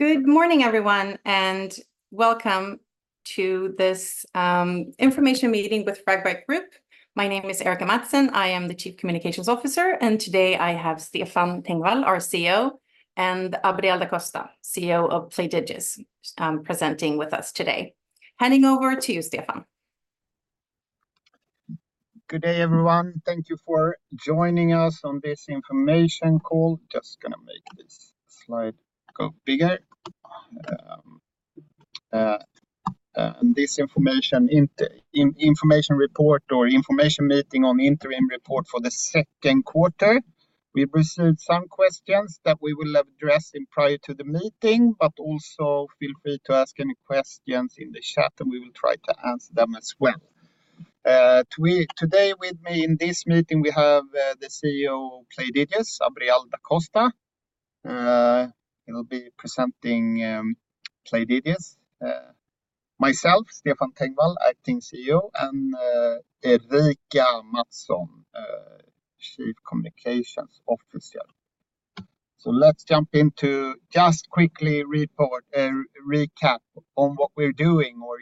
Good morning, everyone, and welcome to this information meeting with Fragbite Group. My name is Erika Mattsson. I am the Chief Communications Officer, and today I have Stefan Tengvall, our CEO, and Abrial Da Costa, CEO of Playdigious, presenting with us today. Handing over to you, Stefan. Good day, everyone. Thank you for joining us on this information call. Just gonna make this slide go bigger, and this information report or information meeting on the interim report for the second quarter. We've received some questions that we will address prior to the meeting, but also feel free to ask any questions in the chat, and we will try to answer them as well. Today with me in this meeting, we have the CEO of Playdigious, Abrial Da Costa. He will be presenting Playdigious. Myself, Stefan Tengvall, acting CEO, and Erika Mattsson, Chief Communications Officer. So let's jump into just quickly report, recap on what we're doing or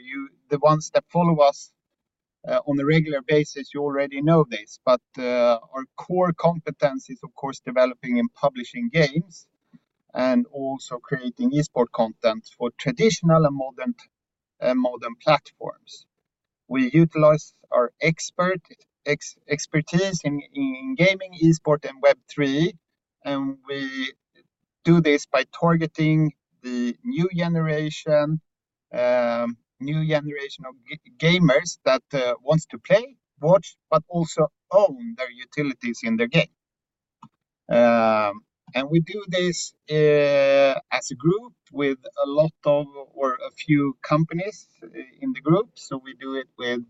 the ones that follow us on a regular basis, you already know this, but our core competence is of course developing and publishing games, and also creating e-sport content for traditional and modern platforms. We utilize our expertise in gaming, e-sport, and Web3, and we do this by targeting the new generation of gamers that wants to play, watch, but also own their utilities in the game. And we do this as a group with a lot of, or a few companies in the group. So we do it with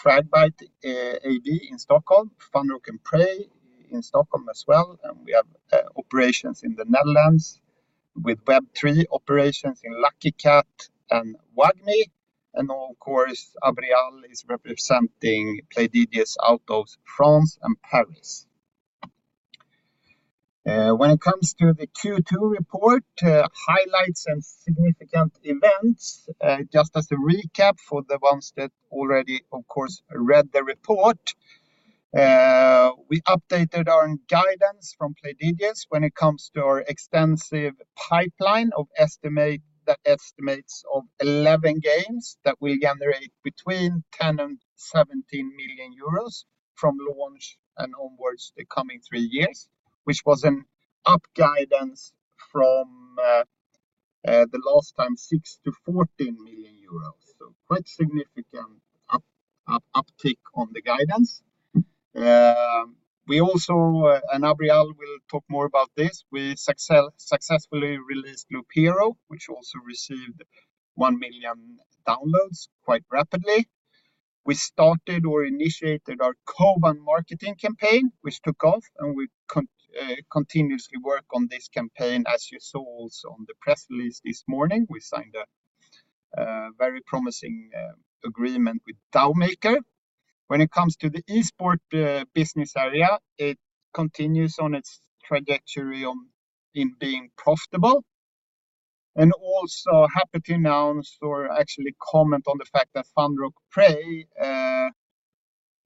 Fragbite AB in Stockholm, FunRock and Prey in Stockholm as well, and we have operations in the Netherlands with Web3, operations in Lucky Kat and WAGMI. course, Abrial Da Costa is representing Playdigious out of France and Paris. When it comes to the Q2 report, highlights and significant events, just as a recap for the ones that already, of course, read the report, we updated our guidance from Playdigious when it comes to our extensive pipeline of estimates of 11 games that will generate between 10 and 17 million euros from launch and onwards the coming three years, which was an up guidance from the last time, 6 to 14 million euros. So quite significant uptick on the guidance. We also, and Abrial will talk more about this, we successfully released Loop Hero, which also received 1 million downloads quite rapidly. We started or initiated our Koban marketing campaign, which took off, and we continuously work on this campaign. As you saw also on the press release this morning, we signed a very promising agreement with DAO Maker. When it comes to the esports business area, it continues on its trajectory in being profitable. And also happy to announce or actually comment on the fact that FunRock Prey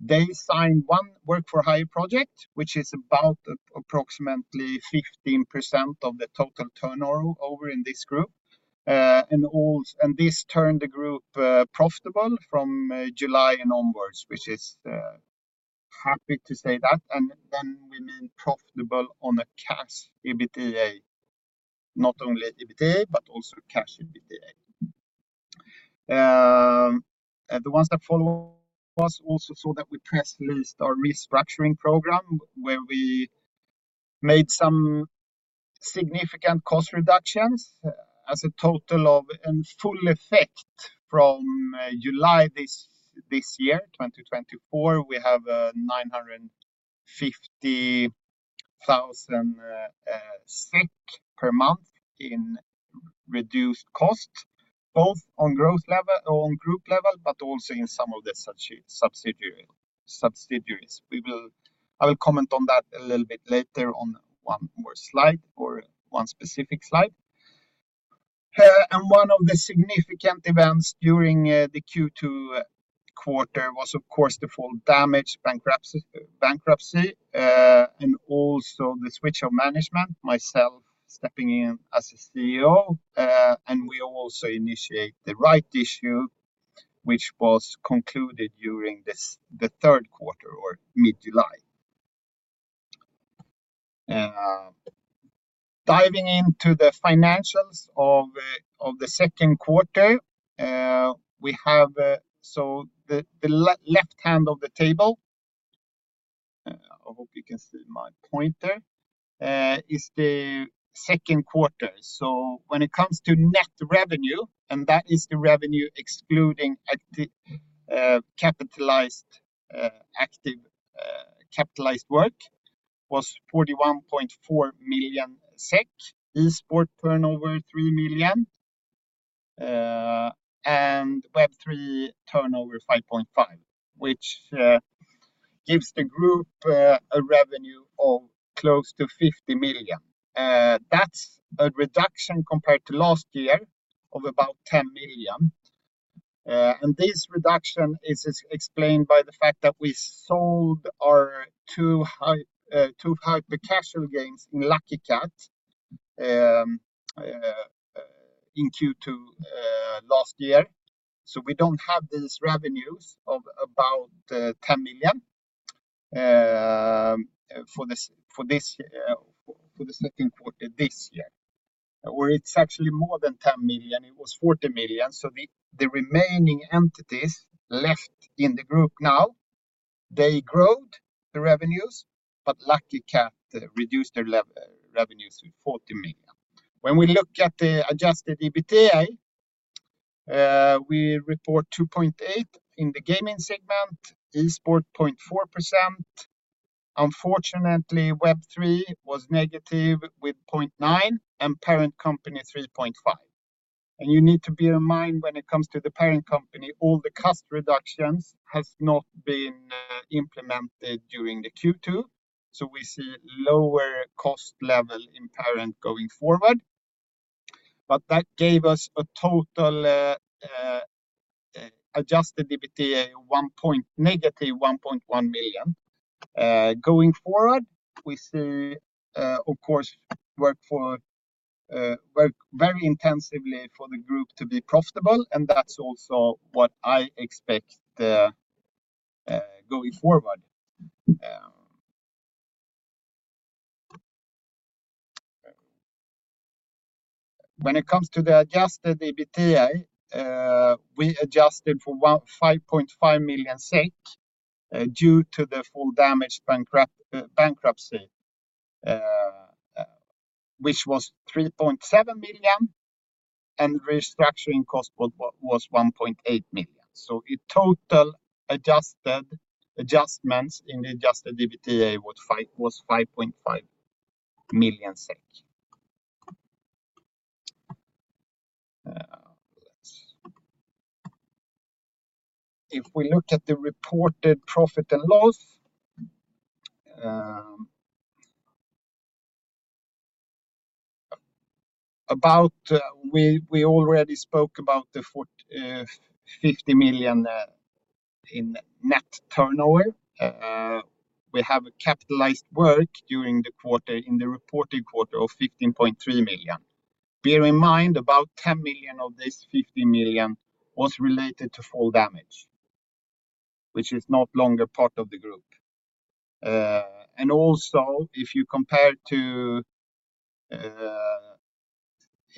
they signed one work-for-hire project, which is about approximately 15% of the total turnover in this group. And this turned the group profitable from July and onwards, which is happy to say that. And then we mean profitable on a cash EBITDA, not only EBITDA, but also cash EBITDA. The ones that follow us also saw that we press released our restructuring program, where we made some significant cost reductions as a total of, in full effect, from July this year, twenty twenty-four, we have 950,000 SEK per month in reduced cost, both on growth level, on group level, but also in some of the subsidiaries. I will comment on that a little bit later on one more slide or one specific slide. One of the significant events during the Q2 quarter was, of course, the Fall Damage bankruptcy, and also the switch of management, myself stepping in as the CEO. We also initiate the rights issue, which was concluded during the third quarter or mid-July. Diving into the financials of the second quarter, we have. So the left hand of the table, I hope you can see my pointer, is the second quarter. So when it comes to net revenue, and that is the revenue excluding active capitalized work, was 41.4 million SEK. E-sport turnover, 3 million, and Web3 turnover 5.5, which gives the group a revenue of close to 50 million. That's a reduction compared to last year of about 10 million. This reduction is explained by the fact that we sold our two hyper-casual games in Lucky Kat, in Q2 last year. So we don't have these revenues of about 10 million for this for the second quarter this year. Where it's actually more than 10 million, it was 40 million. So the remaining entities left in the group now, they grew the revenues, but Lucky Kat reduced their revenues to 40 million. When we look at the adjusted EBITDA, we report 2.8 in the gaming segment, Esports 0.4%. Unfortunately, Web3 was negative with 0.9, and parent company 3.5. And you need to bear in mind when it comes to the parent company, all the cost reductions has not been implemented during the Q2, so we see lower cost level in parent going forward. But that gave us a total adjusted EBITDA negative 1.1 million. Going forward, we see, of course, work very intensively for the group to be profitable, and that's also what I expect, going forward. When it comes to the adjusted EBITDA, we adjusted for 5.5 million SEK due to the Fall Damage bankruptcy, which was 3.7 million, and restructuring cost was 1.8 million. So in total, adjusted adjustments in the adjusted EBITDA was SEK 5.5 million. Let's. If we look at the reported profit and loss, about, we already spoke about the 50 million in net turnover. We have a capitalized work during the quarter, in the reported quarter of 15.3 million. Bear in mind, about 10 million of this 50 million was related to Fall Damage, which is no longer part of the group. And also, if you compare to,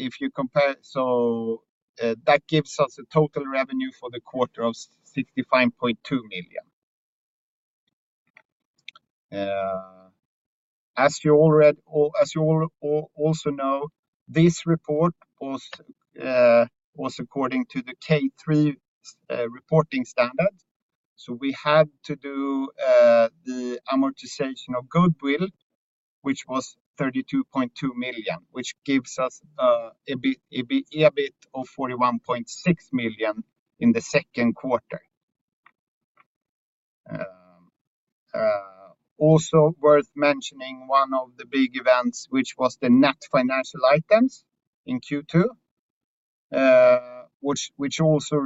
if you compare. So, that gives us a total revenue for the quarter of 65.2 million. As you already or as you also know, this report was according to the K3 reporting standard. So we had to do the amortization of goodwill, which was 32.2 million, which gives us EBIT of 41.6 million in the second quarter. Also worth mentioning, one of the big events, which was the net financial items in Q2, which also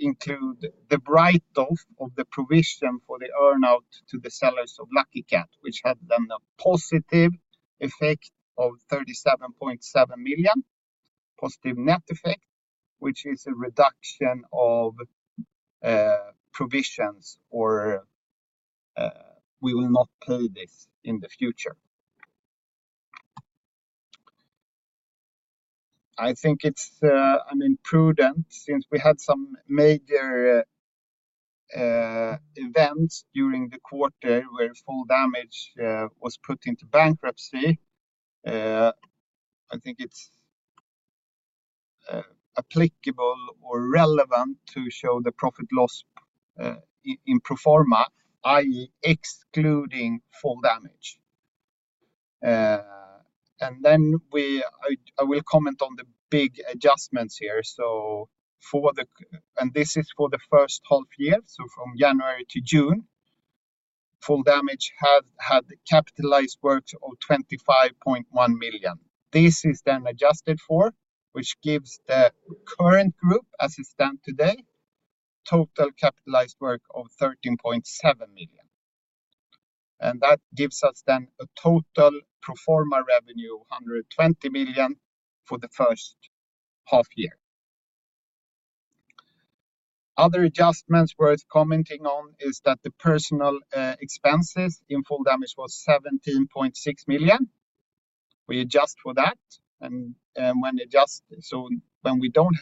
include the write-off of the provision for the earn-out to the sellers of Lucky Kat, which had then a positive effect of 37.7 million, positive net effect, which is a reduction of provisions, or we will not pay this in the future. I think it's, I mean, prudent, since we had some major events during the quarter where Fall Damage was put into bankruptcy. I think it's applicable or relevant to show the profit loss in pro forma, i.e., excluding Fall Damage. And then I will comment on the big adjustments here. This is for the first half year, so from January to June. Fall Damage has had capitalized work of 25.1 million. This is then adjusted for, which gives the current group, as it stands today, total capitalized work of 13.7 million. And that gives us then a total pro forma revenue of 120 million for the first half year. Other adjustments worth commenting on is that the personnel expenses in Fall Damage was 17.6 million. We adjust for that, and when adjusted. So when we don't,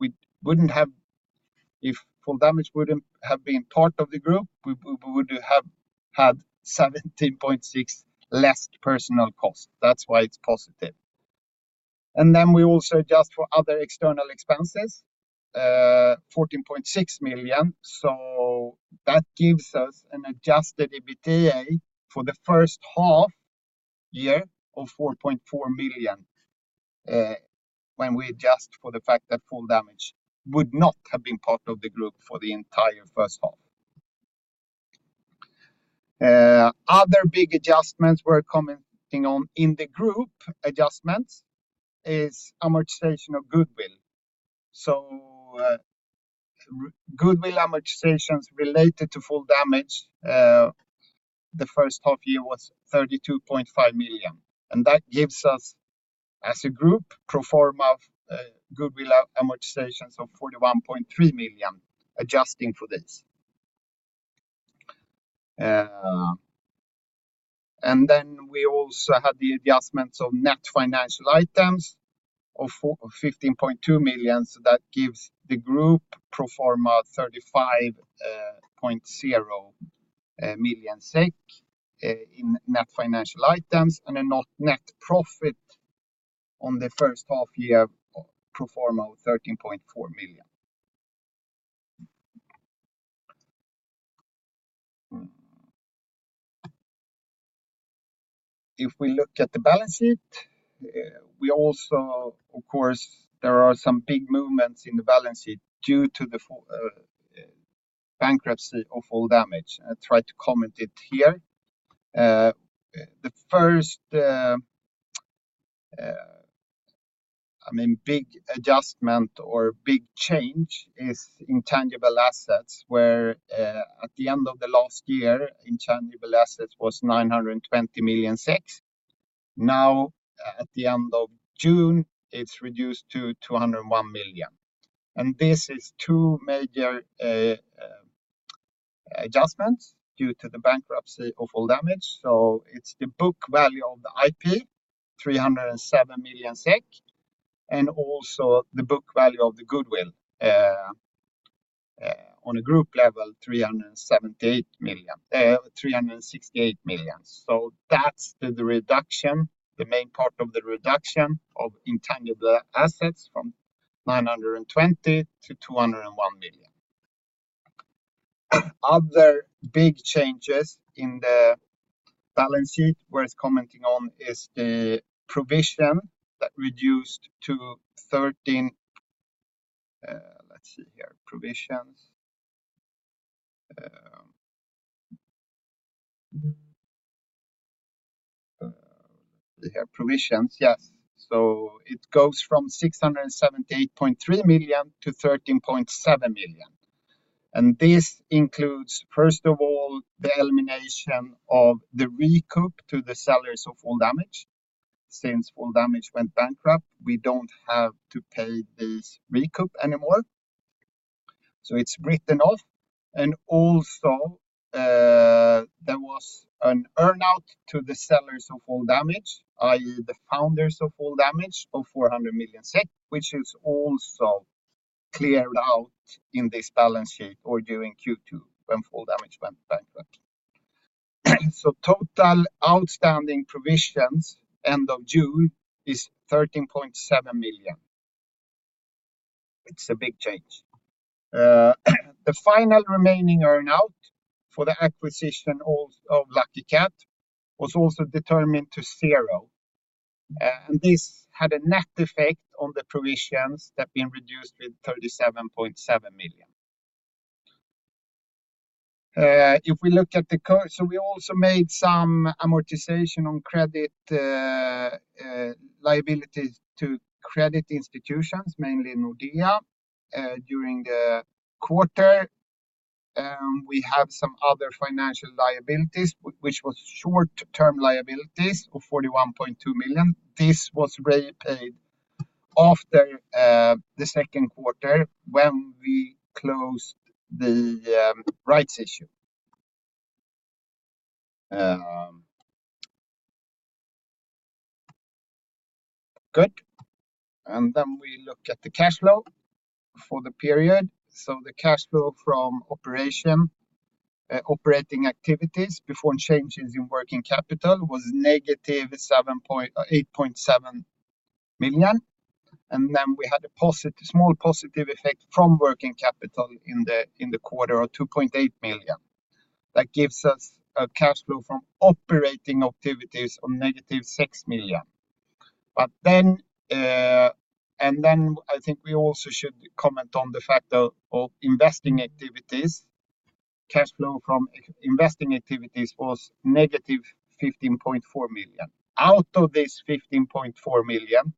we, if Fall Damage wouldn't have been part of the group, we would have had 17.6 less personnel cost. That's why it's positive. And then we also adjust for other external expenses, 14.6 million. So that gives us an adjusted EBITDA for the first half year of 4.4 million, when we adjust for the fact that Fall Damage would not have been part of the group for the entire first half. Other big adjustments we're commenting on in the group adjustments is amortization of goodwill. Goodwill amortizations related to Fall Damage, the first half year was 32.5 million, and that gives us, as a group, pro forma of goodwill amortizations of 41.3 million, adjusting for this. And then we also had the adjustments of net financial items of fifteen point two million. That gives the group pro forma 35.0 million SEK in net financial items, and a net profit on the first half year pro forma of 13.4 million. If we look at the balance sheet, we also, of course, there are some big movements in the balance sheet due to the bankruptcy of Fall Damage. I tried to comment it here. The first, I mean, big adjustment or big change is intangible assets, where, at the end of the last year, intangible assets was 920 million SEK. Now, at the end of June, it's reduced to 201 million. And this is two major adjustments due to the bankruptcy of Fall Damage. So it's the book value of the IP, three hundred and seven million SEK, and also the book value of the goodwill, on a group level, three hundred and sixty-eight million. So that's the reduction, the main part of the reduction of intangible assets from nine hundred and twenty to two hundred and one million. Other big changes in the balance sheet worth commenting on is the provision that reduced to thirteen. So it goes from six hundred and seventy-eight point three million to thirteen point seven million, and this includes, first of all, the elimination of the recoup to the sellers of Fall Damage. Since Fall Damage went bankrupt, we don't have to pay this recoup anymore, so it's written off. Also, there was an earn-out to the sellers of Fall Damage, i.e., the founders of Fall Damage, of 400 million SEK, which is also cleared out in this balance sheet or during Q2, when Fall Damage went bankrupt. Total outstanding provisions, end of June, is 13.7 million SEK. It's a big change. The final remaining earn-out for the acquisition of Lucky Kat was also determined to zero, and this had a net effect on the provisions that have been reduced with 37.7 million SEK. If we look at the so we also made some amortization on credit liabilities to credit institutions, mainly Nordea. During the quarter, we have some other financial liabilities, which was short-term liabilities of 41.2 million SEK. This was repaid after the second quarter when we closed the rights issue. Good. Then we look at the cash flow for the period. So the cash flow from operating activities before changes in working capital was negative 8.7 million. Then we had a small positive effect from working capital in the quarter of 2.8 million. That gives us a cash flow from operating activities of negative 6 million. But then I think we also should comment on the cash flow from investing activities. Cash flow from investing activities was negative 15.4 million. Out of this 15.4 million,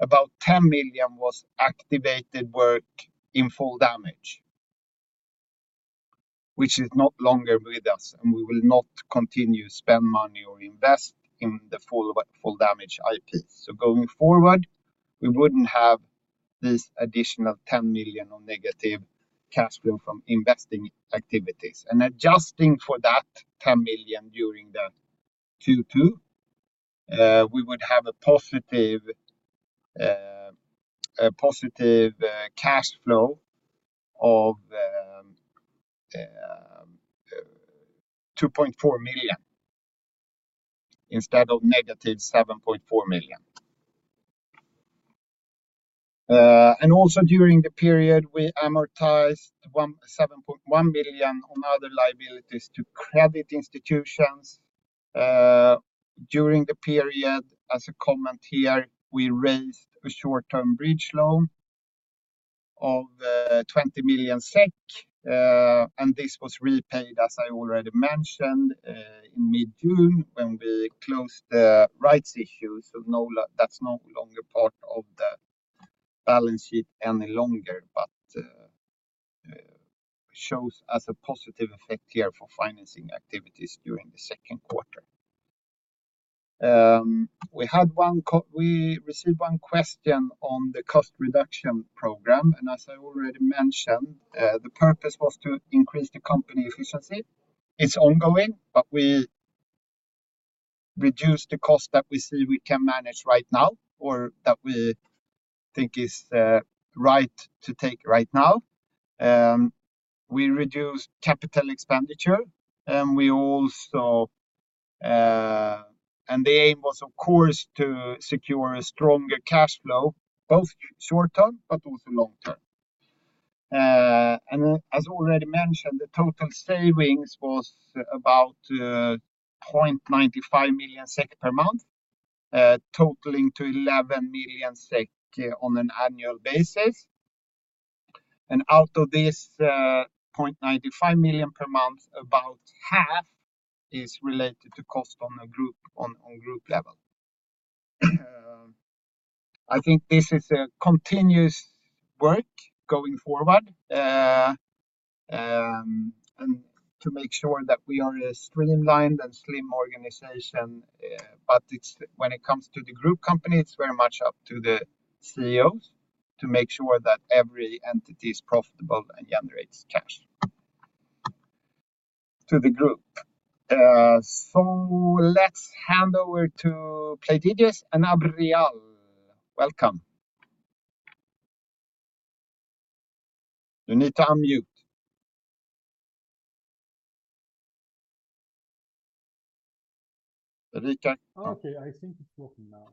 about 10 million was activated work in Fall Damage, which is no longer with us, and we will not continue to spend money or invest in the Fall Damage IP. So going forward, we wouldn't have this additional 10 million on negative cash flow from investing activities. And adjusting for that 10 million during the Q2, we would have a positive cash flow of 2.4 million instead of negative 7.4 million. And also during the period, we amortized 17.1 million on other liabilities to credit institutions. During the period, as a comment here, we raised a short-term bridge loan of 20 million SEK, and this was repaid, as I already mentioned, in mid-June, when we closed the rights issue. That's no longer part of the balance sheet any longer, but shows as a positive effect here for financing activities during the second quarter. We received one question on the cost reduction program, and as I already mentioned, the purpose was to increase the company efficiency. It's ongoing, but we reduced the cost that we see we can manage right now, or that we think is right to take right now. We reduced capital expenditure, and we also. And the aim was, of course, to secure a stronger cash flow, both short term, but also long term. And as already mentioned, the total savings was about 0.95 million SEK per month, totaling to 11 million SEK on an annual basis. Out of this, 0.95 million per month, about half is related to cost on a group level. I think this is a continuous work going forward, and to make sure that we are a streamlined and slim organization. But it's when it comes to the group company, it's very much up to the CEOs to make sure that every entity is profitable and generates cash to the group. So let's hand over to Playdigious, and Abrial. Welcome. You need to unmute. We can- Okay, I think it's working now.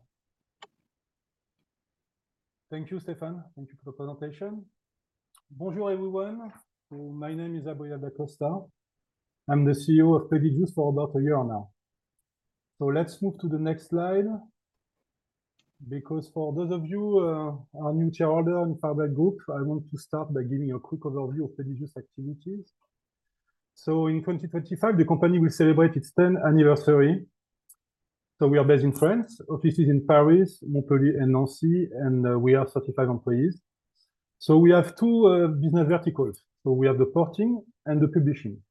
Thank you, Stefan. Thank you for the presentation. Bonjour, everyone. My name is Abrial Da Costa. I'm the CEO of Playdigious for about a year now. Let's move to the next slide, because for those of you, our new shareholder in Fragbite Group, I want to start by giving a quick overview of Playdigious' activities. In twenty twenty-five, the company will celebrate its tenth anniversary. We are based in France, offices in Paris, Montpellier, and Nancy, and we are 35 employees. We have two business verticals. We have the porting and the publishing.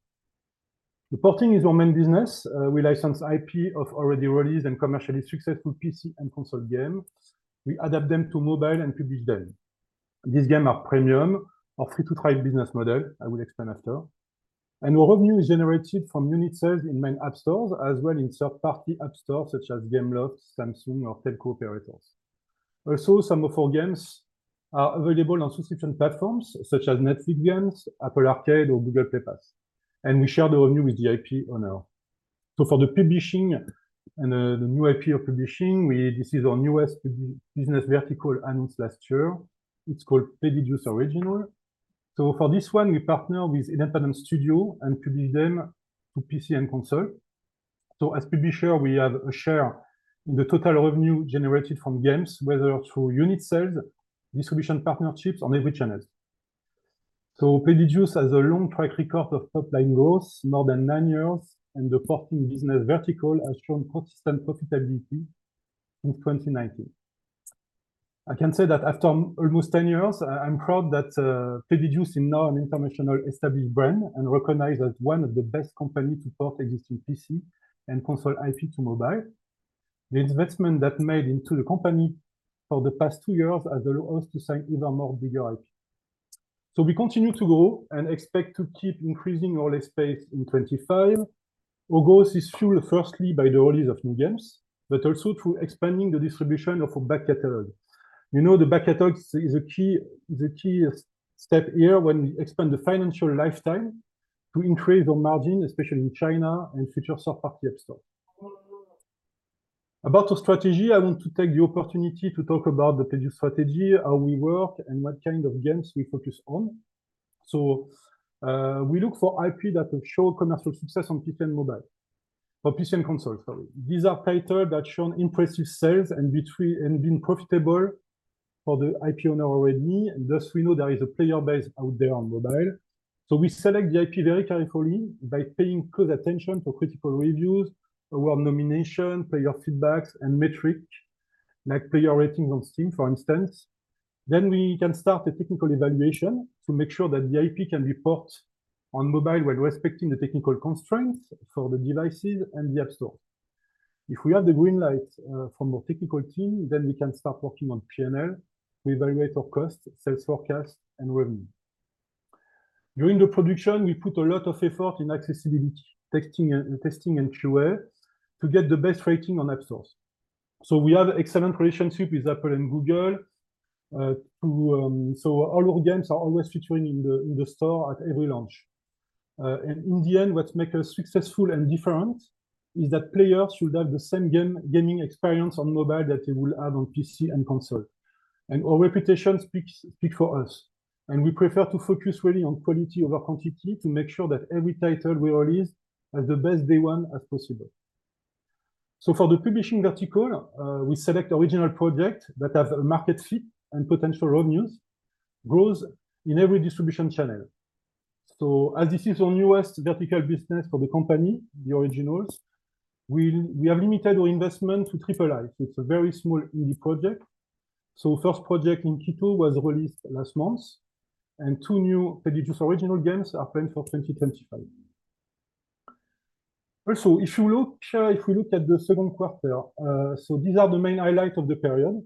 The porting is our main business. We license IP of already released and commercially successful PC and console games. We adapt them to mobile and publish them. These games are premium or free-to-try business model. I will explain after. Our revenue is generated from unit sales in main app stores, as well in third-party app stores, such as Gameloft, Samsung, or telco operators. Also, some of our games are available on subscription platforms such as Netflix Games, Apple Arcade, or Google Play Pass, and we share the revenue with the IP owner. So for the publishing and the new IP of publishing, this is our newest publishing business vertical announced last year. It's called Playdigious Original. So for this one, we partner with independent studio and publish them to PC and console. So as publisher, we have a share in the total revenue generated from games, whether through unit sales, distribution partnerships on every channels. So Playdigious has a long track record of top-line growth, more than nine years, and the porting business vertical has shown consistent profitability in twenty nineteen. I can say that after almost ten years, I'm proud that Playdigious is now an international established brand and recognized as one of the best company to port existing PC and console IP to mobile. The investment that made into the company for the past two years has allowed us to sign even more bigger IP, so we continue to grow and expect to keep increasing our space in twenty-five. Our growth is fueled firstly by the release of new games, but also through expanding the distribution of our back catalog. You know, the back catalog is a key step here when we expand the financial lifetime to increase our margin, especially in China and future third-party app store. About our strategy, I want to take the opportunity to talk about the Playdigious strategy, how we work, and what kind of games we focus on. We look for IP that will show commercial success on PC and mobile, or PC and console, sorry. These are titles that shown impressive sales and been profitable for the IP owner already, and thus we know there is a player base out there on mobile. We select the IP very carefully by paying close attention to critical reviews, award nomination, player feedbacks, and metrics, like player ratings on Steam, for instance. Then we can start a technical evaluation to make sure that the IP can be ported on mobile while respecting the technical constraints for the devices and the App Store. If we have the green light from our technical team, then we can start working on PNL. We evaluate our cost, sales forecast, and revenue. During the production, we put a lot of effort in accessibility, testing, and QA to get the best rating on App Stores. We have excellent relationship with Apple and Google. All our games are always featured in the store at every launch, and in the end, what make us successful and different is that players should have the same gaming experience on mobile that they will have on PC and console. Our reputation speaks for us, and we prefer to focus really on quality over quantity, to make sure that every title we release has the best day one as possible. For the publishing vertical, we select original project that have a market fit and potential revenues, growth in every distribution channel. As this is our newest vertical business for the company, the originals, we have limited our investment to Triple-I. It's a very small indie project. First project, Linkito, was released last month, and two new Playdigious Original games are planned for 2025. Also, if you look, if we look at the second quarter, so these are the main highlight of the period.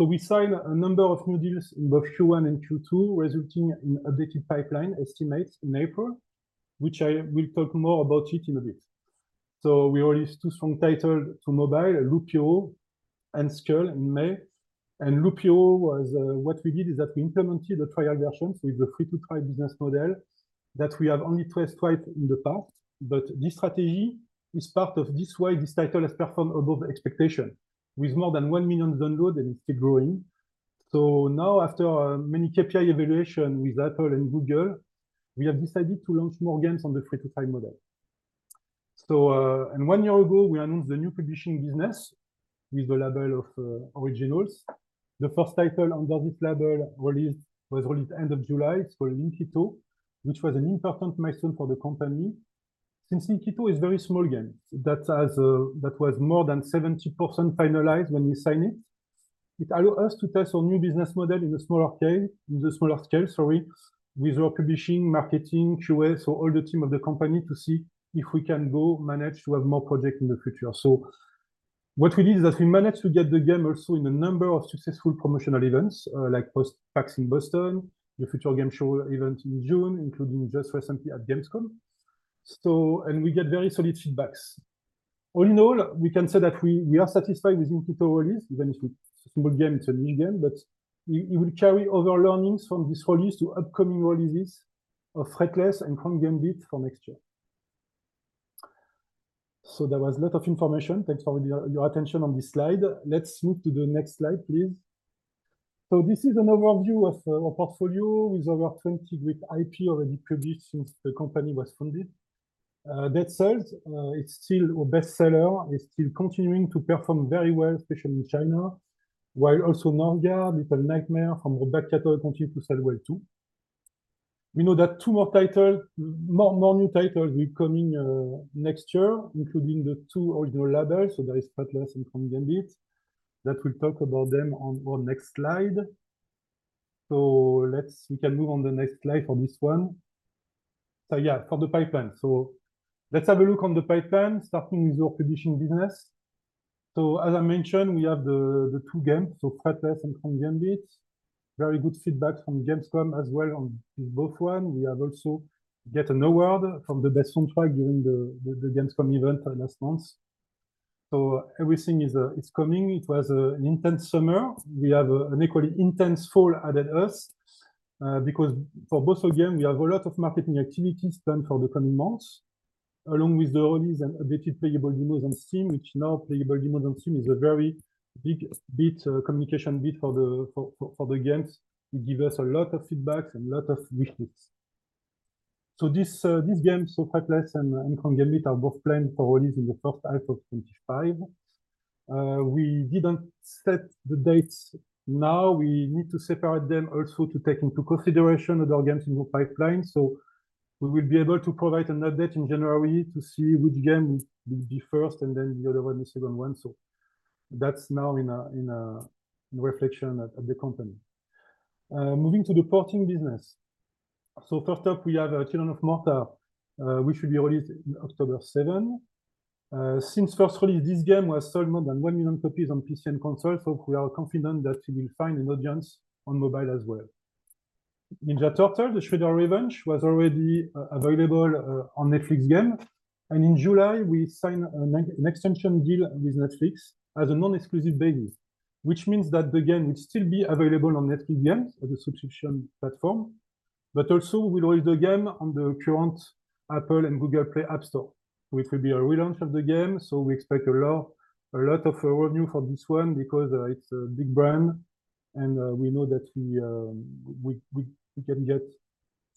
We signed a number of new deals in both Q1 and Q2, resulting in updated pipeline estimates in April, which I will talk more about it in a bit. We released two strong titles to mobile, Loop Hero and Skul in May, and Loop Hero was. What we did is that we implemented a trial version with the free-to-try business model that we have only tested twice in the past. This strategy is part of this way, this title has performed above expectation, with more than one million downloads, and it's still growing. Now, after many KPI evaluation with Apple and Google, we have decided to launch more games on the free-to-try model. One year ago we announced the new publishing business with the label of Originals. The first title under this label was released end of July. It's called Linkito, which was an important milestone for the company. Since Linkito is very small game, that was more than 70% finalized when we signed it. It allow us to test our new business model in the smaller scale, sorry, with our publishing, marketing, QA, so all the team of the company to see if we can go manage to have more project in the future, so what we did is that we managed to get the game also in a number of successful promotional events, like PAX in Boston, the Future Games Show event in June, including just recently at Gamescom, so and we get very solid feedbacks. All in all, we can say that we are satisfied with Linkito release, even if it's a small game, it's a mini-game, but we will carry over learnings from this release to upcoming releases of Fretless and Crown Gambit for next year, so that was a lot of information. Thanks for your attention on this slide. Let's move to the next slide, please. So this is an overview of our portfolio with over 20 great IP already produced since the company was founded. Dead Cells, it's still our best seller, is still continuing to perform very well, especially in China, while also Northgard, Little Nightmares from our back catalog continue to sell well, too. We know that two more title, more new titles will coming next year, including the two original labels. So there is Fretless and Crown Gambit, that we'll talk about them on our next slide. So we can move on the next slide on this one. So yeah, for the pipeline. So let's have a look on the pipeline, starting with our publishing business. So as I mentioned, we have the two games, so Fretless and Crown Gambit. Very good feedback from Gamescom as well on both one. We have also get an award from the best soundtrack during the Gamescom event last month. So everything is coming. It was an intense summer. We have an equally intense fall ahead of us because for both games, we have a lot of marketing activities planned for the coming months, along with the release and updated playable demos on Steam, which now playable demos on Steam is a very big bit, communication bit for the games. It give us a lot of feedbacks and a lot of wish lists. So this game, so Fretless and Crown Gambit are both planned for release in the first half of twenty twenty-five. We didn't set the dates. Now we need to separate them also to take into consideration other games in the pipeline. We will be able to provide an update in January to see which game will be first and then the other one, the second one. That's now in reflection at the company. Moving to the porting business. First up, we have Children of Morta, which will be released in October 7. Since first release, this game was sold more than one million copies on PC and console, so we are confident that we will find an audience on mobile as well. Ninja Turtles: Shredder's Revenge was already available on Netflix Games, and in July we signed an extension deal with Netflix as a non-exclusive basis, which means that the game will still be available on Netflix Games as a subscription platform. But also we released the game on the current Apple and Google Play App Store, which will be a relaunch of the game. So we expect a lot, a lot of revenue for this one because it's a big brand, and we know that we can get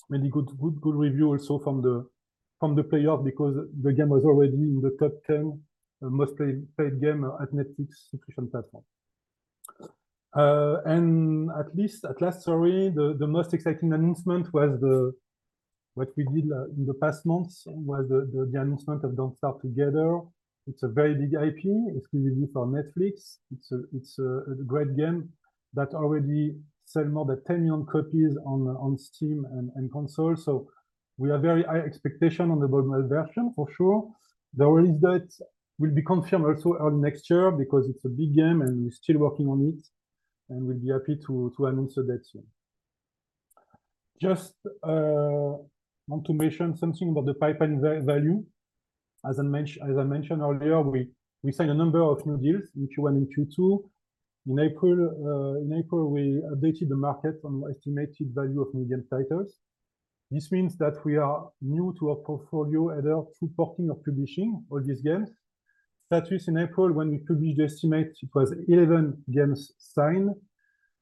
many good reviews also from the player, because the game was already in the top 10 most played game at Netflix subscription platform. The most exciting announcement was what we did in the past months: the announcement of Don't Starve Together. It's a very big IP exclusively for Netflix. It's a great game that already sold more than 10 million copies on Steam and consoles. So we are very high expectation on the mobile version for sure. The release date will be confirmed also early next year, because it's a big game, and we're still working on it, and we'll be happy to announce the date soon. Just want to mention something about the pipeline value, as I mentioned earlier, we signed a number of new deals in Q1 and Q2. In April we updated the market on the estimated value of million titles. This means that we are new to our portfolio, either through porting or publishing all these games. Starting in April, when we published the estimate, it was 11 games signed,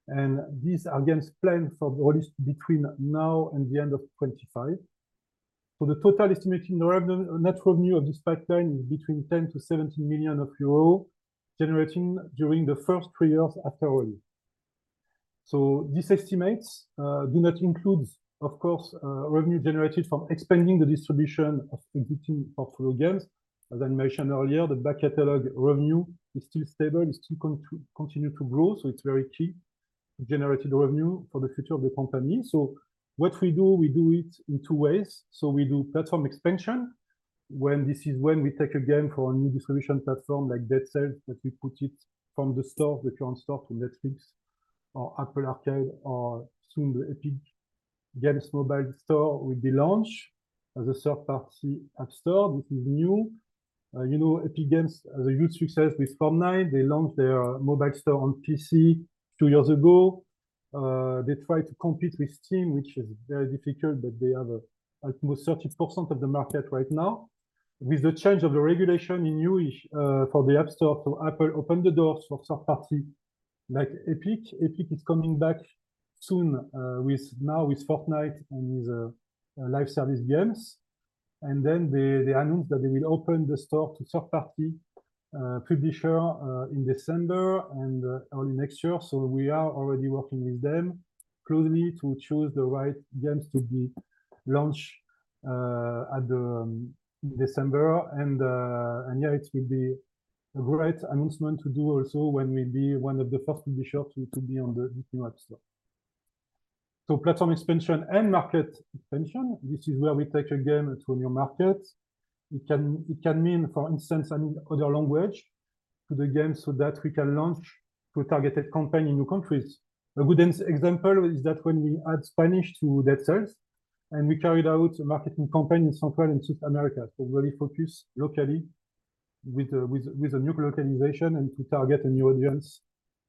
and these are games planned for release between now and the end of 2025. So the total estimated revenue, net revenue of this pipeline is between 10-17 million euro, generating during the first three years after release. So these estimates do not include, of course, revenue generated from expanding the distribution of existing portfolio games. As I mentioned earlier, the back catalog revenue is still stable, it's still going to continue to grow, so it's very key to generated revenue for the future of the company. So what we do, we do it in two ways. So we do platform expansion, when this is when we take a game for a new distribution platform, like Dead Cells, that we put it from the store, the current store, to Netflix or Apple Arcade or soon the Epic Games mobile store will be launched as a third-party app store, which is new. You know, Epic Games, as a huge success with Fortnite, they launched their mobile store on PC two years ago. They tried to compete with Steam, which is very difficult, but they have almost 30% of the market right now. With the change of the regulation in EU, for the App Store, so Apple opened the door for third-party like Epic. Epic is coming back soon, with Fortnite and with live service games. They announced that they will open the store to third-party publisher in December and early next year. We are already working with them closely to choose the right games to be launched in December. Yeah, it will be a great announcement to do also when we'll be one of the first publishers to be on the new App Store. So platform expansion and market expansion, this is where we take a game to a new market. It can mean, for instance, adding other language to the game so that we can launch to a targeted campaign in new countries. A good example is that when we add Spanish to Dead Cells, and we carried out a marketing campaign in Central and South America, so really focus locally with a new localization and to target a new audience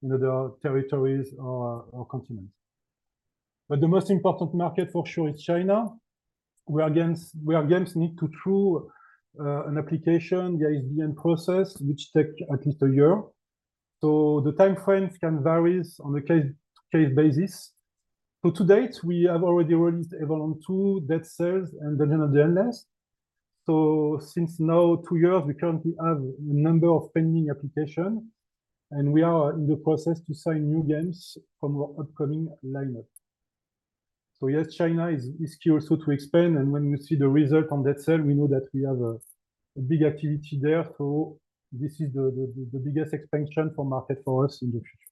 in other territories or continents. But the most important market for sure is China, where games need to through an application, the ISBN process, which take at least a year. The timeframe can varies on a case-to-case basis. To date, we have already released Evoland 2, Dead Cells, and Legend of Keepers. Since now two years, we currently have a number of pending application, and we are in the process to sign new games from our upcoming lineup. Yes, China is key also to expand, and when we see the result on Dead Cells, we know that we have a big activity there. This is the biggest expansion for market for us in the future.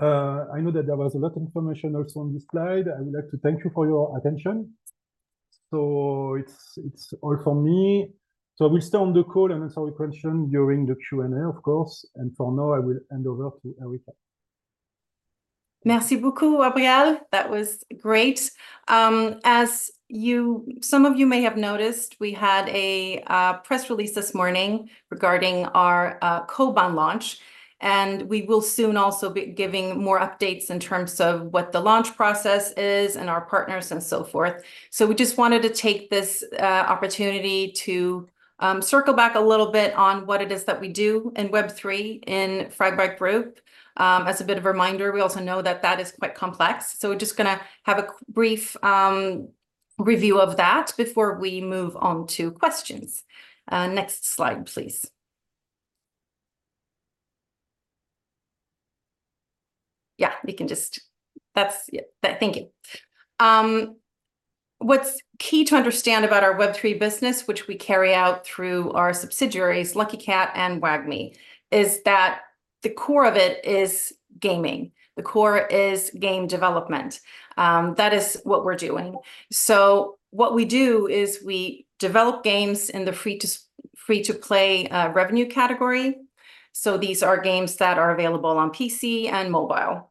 I know that there was a lot of information also on this slide. I would like to thank you for your attention. It's all for me. I will stay on the call and answer your question during the Q&A, of course, and for now, I will hand over to Erika. Merci beaucoup, Abrial. That was great. As you... Some of you may have noticed, we had a press release this morning regarding our Koban launch, and we will soon also be giving more updates in terms of what the launch process is and our partners and so forth. So we just wanted to take this opportunity to circle back a little bit on what it is that we do in Web3, in Fragbite Group. As a bit of a reminder, we also know that that is quite complex, so we're just gonna have a quick brief review of that before we move on to questions. Next slide, please. Yeah, we can just... That's, yeah, thank you. What's key to understand about our Web3 business, which we carry out through our subsidiaries, Lucky Kat and WAGMI, is that the core of it is gaming. The core is game development. That is what we're doing. So what we do is we develop games in the free-to-play, revenue category. So these are games that are available on PC and mobile.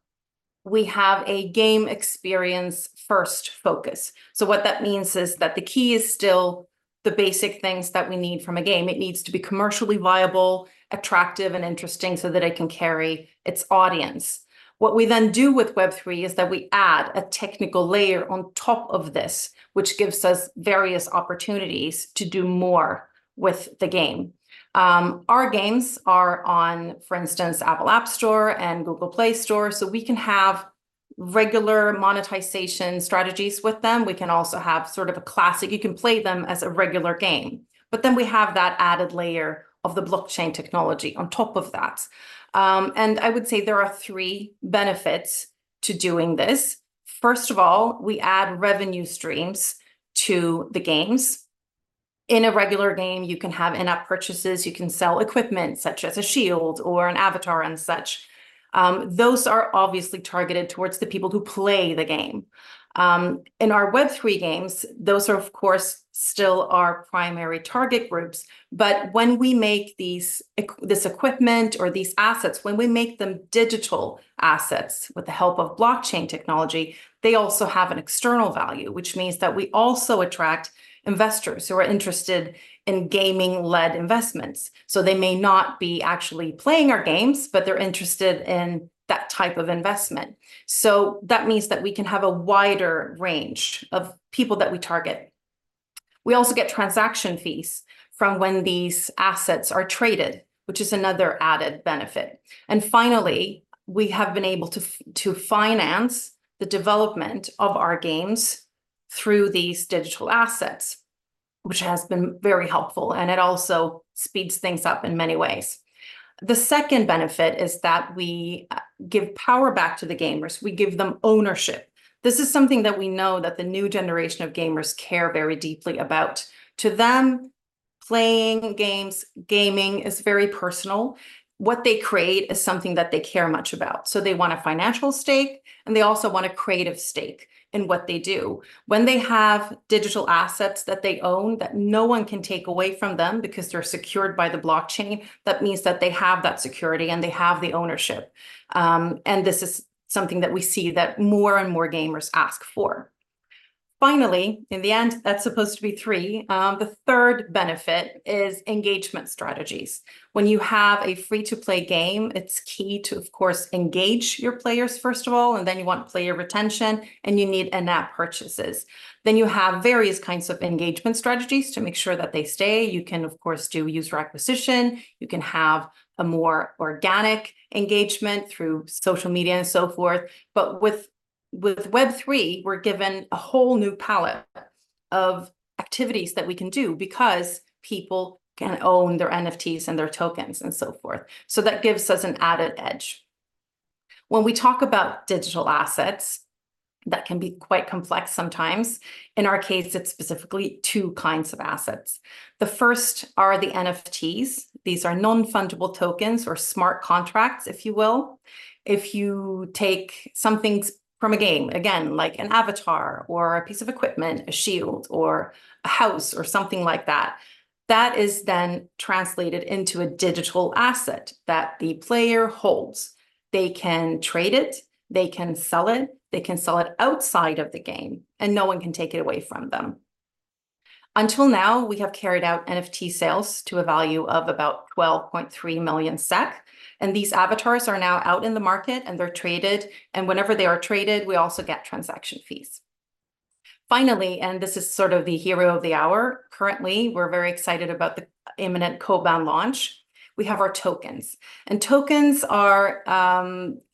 We have a game experience first focus. So what that means is that the key is still the basic things that we need from a game. It needs to be commercially viable, attractive, and interesting, so that it can carry its audience. What we then do with Web3 is that we add a technical layer on top of this, which gives us various opportunities to do more with the game. Our games are on, for instance, Apple App Store and Google Play Store, so we can have regular monetization strategies with them. We can also have sort of a classic, you can play them as a regular game. But then we have that added layer of the blockchain technology on top of that. And I would say there are three benefits to doing this. First of all, we add revenue streams to the games. In a regular game, you can have in-app purchases, you can sell equipment, such as a shield or an avatar and such. Those are obviously targeted towards the people who play the game. In our Web3 games, those are, of course, still our primary target groups, but when we make this equipment or these assets, when we make them digital assets with the help of blockchain technology, they also have an external value, which means that we also attract investors who are interested in gaming-led investments. So they may not be actually playing our games, but they're interested in that type of investment. So that means that we can have a wider range of people that we target. We also get transaction fees from when these assets are traded, which is another added benefit. And finally, we have been able to to finance the development of our games through these digital assets, which has been very helpful, and it also speeds things up in many ways. The second benefit is that we give power back to the gamers. We give them ownership. This is something that we know that the new generation of gamers care very deeply about. To them, playing games, gaming is very personal. What they create is something that they care much about, so they want a financial stake, and they also want a creative stake in what they do. When they have digital assets that they own, that no one can take away from them because they're secured by the blockchain, that means that they have that security, and they have the ownership. And this is something that we see that more and more gamers ask for. Finally, in the end, that's supposed to be three, the third benefit is engagement strategies. When you have a free-to-play game, it's key to, of course, engage your players, first of all, and then you want player retention, and you need in-app purchases. Then you have various kinds of engagement strategies to make sure that they stay. You can, of course, do user acquisition. You can have a more organic engagement through social media and so forth. But with Web3, we're given a whole new palette of activities that we can do because people can own their NFTs and their tokens and so forth. So that gives us an added edge. When we talk about digital assets, that can be quite complex sometimes. In our case, it's specifically two kinds of assets. The first are the NFTs. These are non-fungible tokens or smart contracts, if you will. If you take something from a game, again, like an avatar or a piece of equipment, a shield, or a house, or something like that, that is then translated into a digital asset that the player holds. They can trade it. They can sell it. They can sell it outside of the game, and no one can take it away from them. Until now, we have carried out NFT sales to a value of about 12.3 million SEK, and these avatars are now out in the market, and they're traded, and whenever they are traded, we also get transaction fees. Finally, and this is sort of the hero of the hour, currently, we're very excited about the imminent Koban launch. We have our tokens, and tokens are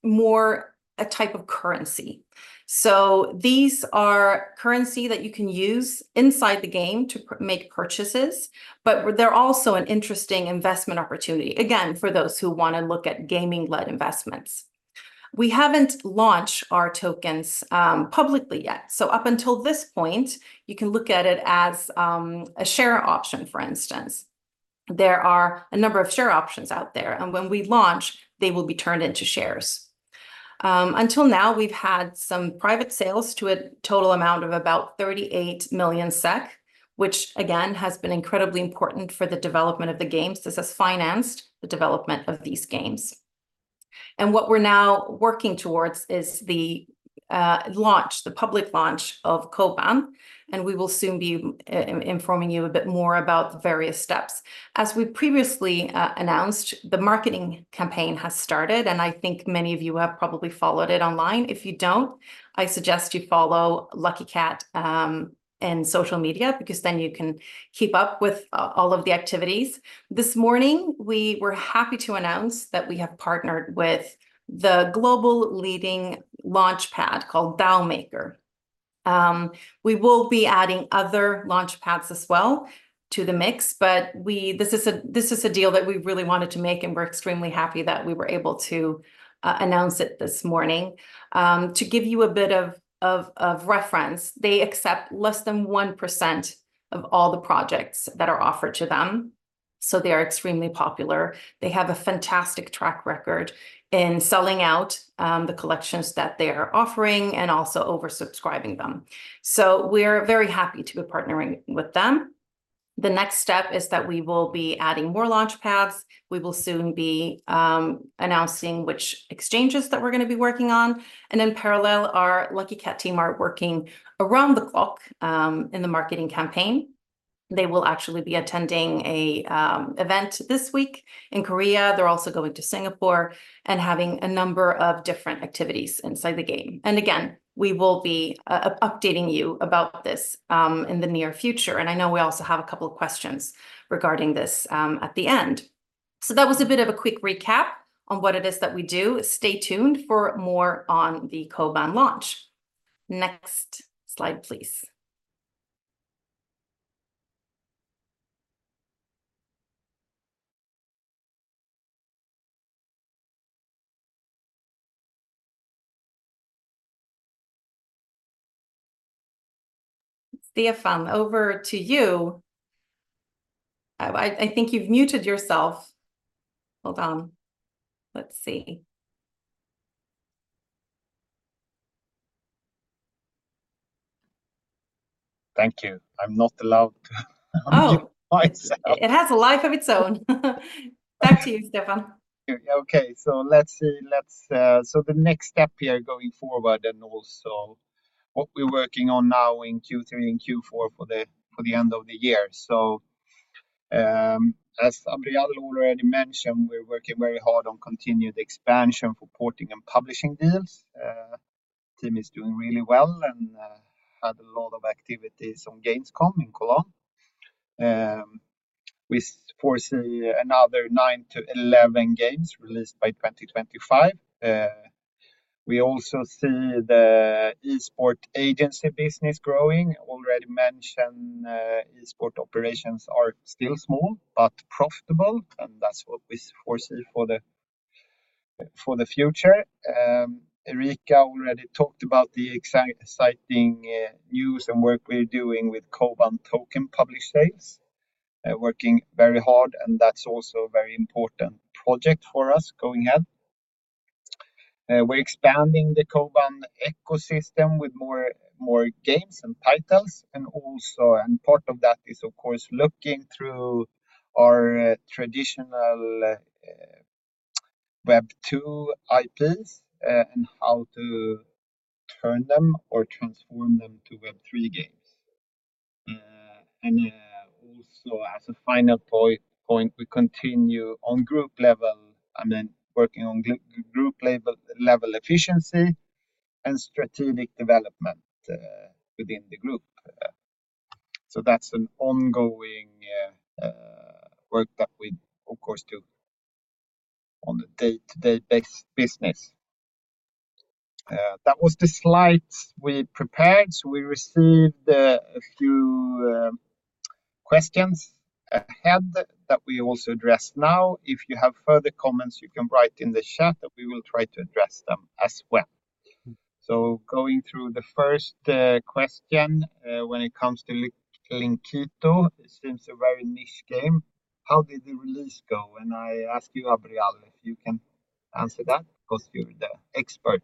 more a type of currency. So these are currency that you can use inside the game to make purchases, but they're also an interesting investment opportunity, again, for those who wanna look at gaming-led investments. We haven't launched our tokens publicly yet, so up until this point, you can look at it as a share option, for instance. There are a number of share options out there, and when we launch, they will be turned into shares. Until now, we've had some private sales to a total amount of about 38 million SEK, which, again, has been incredibly important for the development of the games. This has financed the development of these games. And what we're now working towards is the launch, the public launch of Koban, and we will soon be informing you a bit more about the various steps. As we previously announced, the marketing campaign has started, and I think many of you have probably followed it online. If you don't, I suggest you follow Lucky Kat in social media because then you can keep up with all of the activities. This morning, we were happy to announce that we have partnered with the global leading launchpad called DAO Maker. We will be adding other launchpads as well to the mix. This is a deal that we really wanted to make, and we're extremely happy that we were able to announce it this morning. To give you a bit of reference, they accept less than 1% of all the projects that are offered to them, so they are extremely popular. They have a fantastic track record in selling out the collections that they are offering and also over-subscribing them, so we're very happy to be partnering with them. The next step is that we will be adding more launchpads. We will soon be announcing which exchanges that we're gonna be working on, and in parallel, our Lucky Kat team are working around the clock in the marketing campaign. They will actually be attending a event this week in Korea. They're also going to Singapore and having a number of different activities inside the game, and again, we will be updating you about this in the near future. And I know we also have a couple of questions regarding this at the end. So that was a bit of a quick recap on what it is that we do. Stay tuned for more on the Koban launch. Next slide, please. Stefan, over to you. I think you've muted yourself. Hold on. Let's see. Thank you. I'm not allowed to unmute- Oh... myself. It has a life of its own. Back to you, Stefan. Okay, so let's see. Let's. So the next step here going forward, and also what we're working on now in Q3 and Q4 for the end of the year. As Abrial already mentioned, we're working very hard on continued expansion for porting and publishing deals. Team is doing really well and had a lot of activities on Gamescom in Cologne. We foresee another nine to 11 games released by 2025. We also see the esport agency business growing. Already mentioned, esport operations are still small, but profitable, and that's what we foresee for the future. Erika already talked about the exciting news and work we're doing with Koban token publish sales. Working very hard, and that's also a very important project for us going ahead. We're expanding the Koban ecosystem with more games and titles, and also and part of that is, of course, looking through our traditional Web2 IPs, and how to turn them or transform them to Web3 games. And also, as a final point, we continue on group level and then working on group level efficiency and strategic development, within the group. So that's an ongoing work that we of course do on a day-to-day business. That was the slides we prepared, so we received a few questions ahead that we also address now. If you have further comments, you can write in the chat, and we will try to address them as well. So going through the first question, when it comes to Linkito, it seems a very niche game. How did the release go? And I ask you, Abrial, if you can answer that, because you're the expert.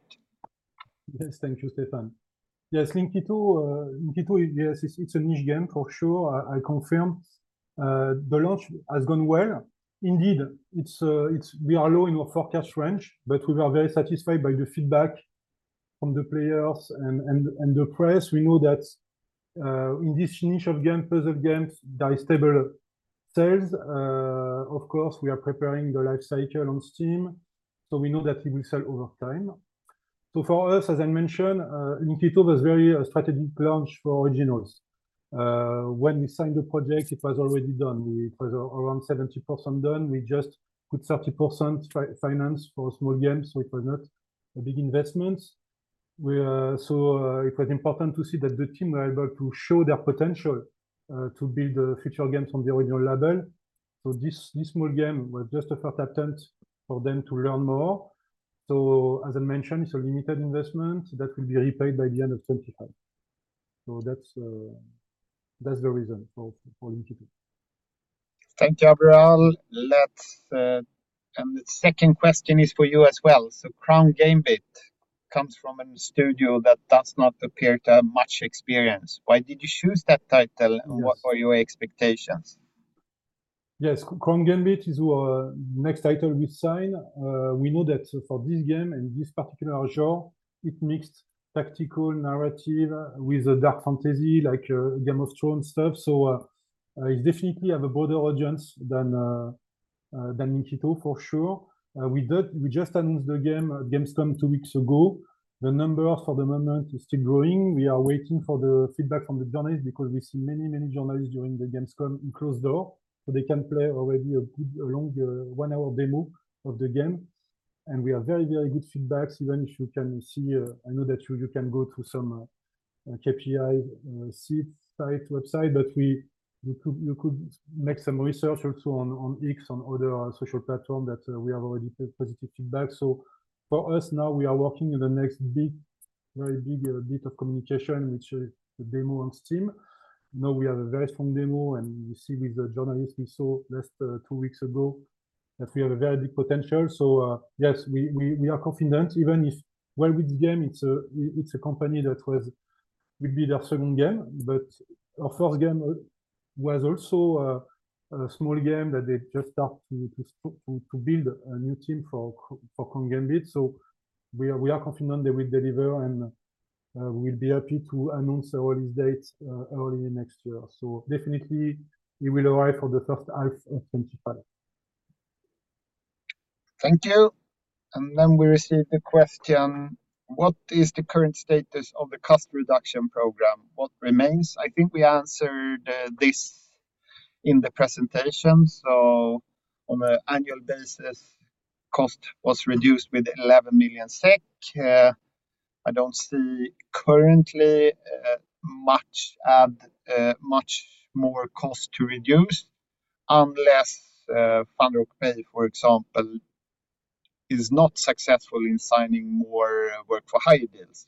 Yes, thank you, Stefan. Yes, Linkito, yes, it's a niche game for sure, I confirm. The launch has gone well. Indeed, it's we are low in our forecast range, but we are very satisfied by the feedback from the players and the press. We know that in this niche of game, puzzle games, there is stable sales. Of course, we are preparing the life cycle on Steam, so we know that it will sell over time. So for us, as I mentioned, Linkito was very a strategic launch for originals. When we signed the project, it was already done. It was around 70% done. We just put 30% straight finance for small games, so it was not a big investment. We are... So, it was important to see that the team were able to show their potential, to build the future games on the original label. So this small game was just a first attempt for them to learn more. So as I mentioned, it's a limited investment that will be repaid by the end of 2025. So that's the reason for Linkito. Thank you, Abrial. And the second question is for you as well. So Crown Gambit comes from a studio that does not appear to have much experience. Why did you choose that title? Yes... and what are your expectations? Yes, Crown Gambit is our next title we sign. We know that for this game and this particular genre, it mixed tactical narrative with a dark fantasy, like a Game of Thrones stuff. So, it definitely have a broader audience than Linkito, for sure. We just announced the game at Gamescom two weeks ago. The numbers for the moment is still growing. We are waiting for the feedback from the journalists because we see many, many journalists during the Gamescom in closed door, so they can play already a good, long, one-hour demo of the game, and we are very, very good feedback. Even if you can see, I know that you can go through some KPI site, website, but you could make some research also on X, on other social platform, that we have already had positive feedback. For us now, we are working on the next big, very big bit of communication, which is the demo on Steam. Now, we have a very strong demo, and you see with the journalists we saw just two weeks ago, that we have a very big potential. Yes, we are confident, even if well, with the game, it's a company that will be their second game, but our first game was also a small game that they just start to build a new team for Crown Gambit. So we are confident they will deliver, and we'll be happy to announce our release date early next year. So definitely it will arrive for the first half of 2025. Thank you. And then we received a question: What is the current status of the cost reduction program? What remains? I think we answered this in the presentation. So on an annual basis, cost was reduced with eleven million SEK. I don't see currently much more cost to reduce, unless FunRock and Prey, for example, is not successful in signing more work-for-hire deals,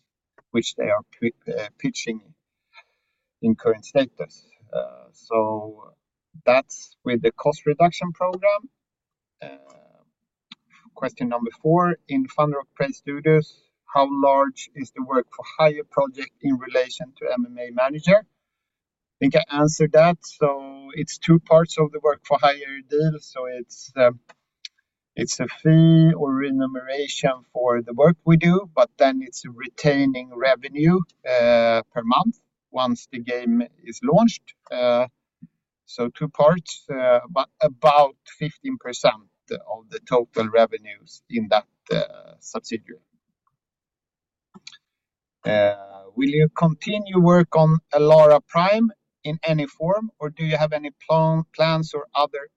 which they are pitching in current status. So that's with the cost-reduction program. Question number four, in FunRock and Prey Studios, how large is the work-for-hire project in relation to MMA Manager? I think I answered that. So it's two parts of the work-for-hire deal, so it's a fee or remuneration for the work we do, but then it's a retaining revenue per month once the game is launched. So two parts, but about 15% of the total revenues in that subsidiary. Will you continue work on ALARA Prime in any form, or do you have any plans or other